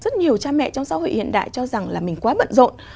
rất nhiều cha mẹ trong xã hội hiện đại cho rằng là mình quá bận rộn